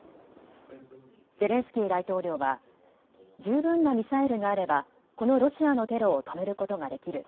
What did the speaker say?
ゼレンスキー大統領は十分なミサイルがあれば、このロシアのテロを止めることができる。